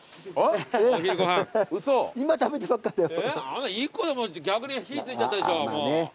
あんな１個逆に火付いちゃったでしょ。